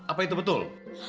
apa itu betul